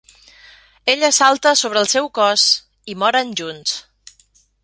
Ella salta sobre el seu cos i moren junts.